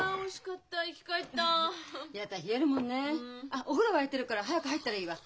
あっお風呂沸いてるから早く入ったらいいわ。